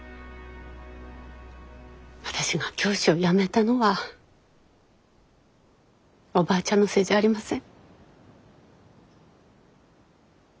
私が教師を辞めたのはおばあちゃんのせいじゃありません。